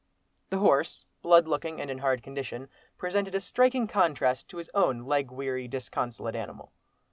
The horse, blood looking, and in hard condition, presented a striking contrast to his own leg weary, disconsolate animal.